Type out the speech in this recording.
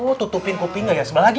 oh tutupin kuping aja sebelah lagi